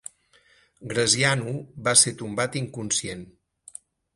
Graziano va ser tombat inconscient.